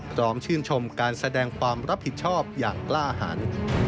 พร้อมชื่นชมการแสดงความรับผิดชอบอย่างกล้าหัน